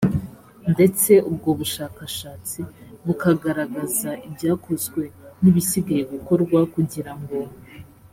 ndetse ubwo bushakashatsi bukagaragaza ibyakozwe n ibisigaye gukorwa kugira ngo